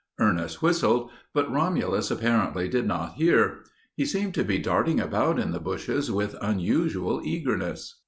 Ernest whistled, but Romulus apparently did not hear. He seemed to be darting about in the bushes with unusual eagerness.